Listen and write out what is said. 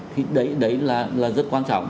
thì đấy là rất quan trọng